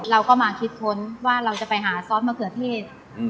เราก็มาคิดค้นว่าเราจะไปหาซอสมะเขือเทศ